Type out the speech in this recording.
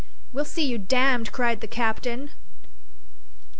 "We'll see you damned!" cried the captain.